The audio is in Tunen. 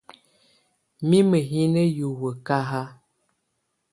Mimǝ́ yɛ́ na hiwǝ́ kahá.